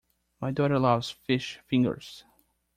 My daughter loves fish fingers